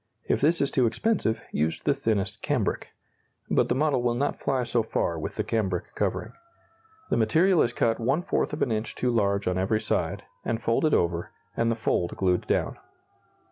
If this is too expensive, use the thinnest cambric. But the model will not fly so far with the cambric covering. The material is cut one fourth of an inch too large on every side, and folded over, and the fold glued down.